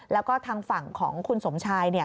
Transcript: แล้วก็ทางฝั่งของคุณสมชาย